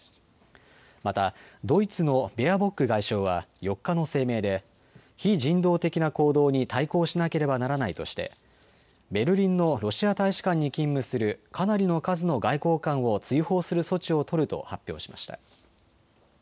またドイツのベアボック外相は４日の声明で非人道的な行動に対抗しなければならないとしてベルリンのロシア大使館に勤務するかなりの数の外交官を追放する措置を取ると発表しました。